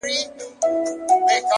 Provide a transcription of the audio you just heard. د بېوفا لفظونه راوړل؛